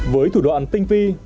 với thủ đoạn tinh phi